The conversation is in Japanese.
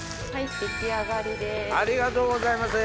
出来上がりです。